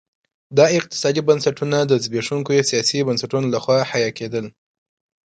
دا اقتصادي بنسټونه د زبېښونکو سیاسي بنسټونو لخوا حیه کېدل.